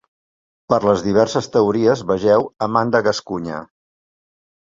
Per les diverses teories vegeu Amand de Gascunya.